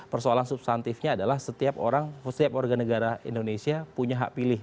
persoalan substantifnya adalah setiap orang setiap warga negara indonesia punya hak pilih